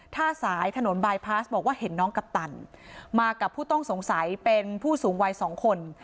ท่าสายถนนบายพาสบอกว่าเห็นน้องกัปตันมากับผู้ต้องสงสัยเป็นผู้สูงวัยสองคน